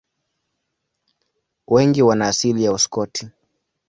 Wengi wana asili ya Uskoti.